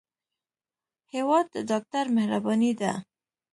هېواد د ډاکټر مهرباني ده.